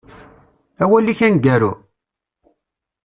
Awal-ik aneggaru?